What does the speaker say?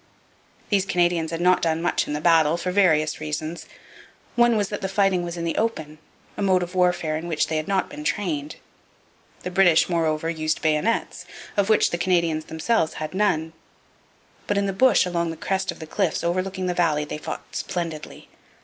These Canadians had not done much in the battle, for various reasons: one was that the fighting was in the open, a mode of warfare in which they had not been trained; the British, moreover, used bayonets, of which the Canadians themselves had none. But in the bush along the crest of the cliffs overlooking the valley they fought splendidly.